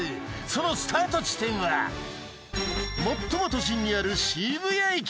そのスタート地点は最も都心にある渋谷駅